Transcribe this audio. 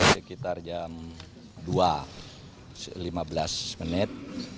sekitar jam dua lima belas menit